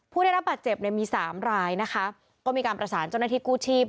ผู้ได้รับบาดเจ็บเนี่ยมีสามรายนะคะก็มีการประสานเจ้าหน้าที่กู้ชีพ